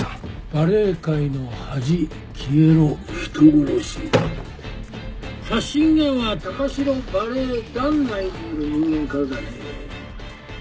「バレエ界の恥」「消えろ」「人殺し」発信源は高城バレエ団内にいる人間からだね。